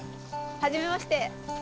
はじめまして。